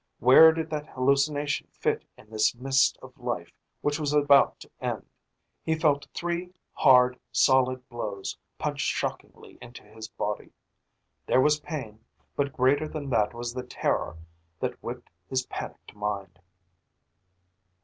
Where did that hallucination fit in this mist of life which was about to end? He felt three hard, solid blows punch shockingly into his body. There was pain, but greater than that was the terror that whipped his panicked mind.